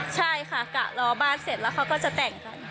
ใช่ค่ะกะรอบ้านเสร็จแล้วค่ะ